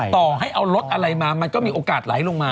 ต่อให้เอารถอะไรมามันก็มีโอกาสไหลลงมา